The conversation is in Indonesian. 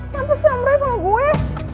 kenapa sih om roy sama gue